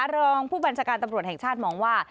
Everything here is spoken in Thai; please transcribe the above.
รองพูดพันธกรตำรวจแห่งชาติมองว่า